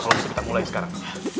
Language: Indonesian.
kalau bisa kita mulai sekarang